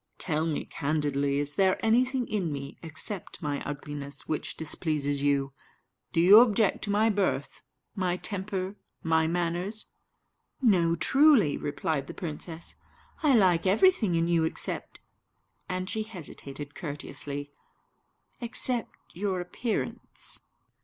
Tell me candidly, is there anything in me, except my ugliness, which displeases you? Do you object to my birth, my temper, my manners?" "No, truly," replied the princess; "I like everything in you, except" and she hesitated courteously "except your appearance."